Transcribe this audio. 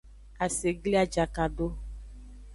Ase gli ajaka do.